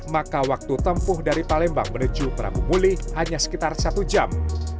maka waktu tempuh dari palembang menuju prabu muli hanya sekitar satu jam